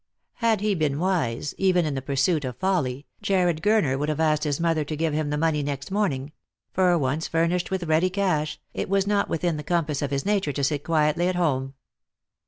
Had he been wise, even in the pursuit of folly, Jarred Gurner would have asked his mother to give him the money next morning ; for once furnished with ready cash, it was not within the compass of his nature to sit quietly at home.